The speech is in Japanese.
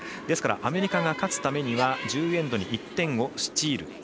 ですからアメリカが勝つためには１０エンドに１点をスチール。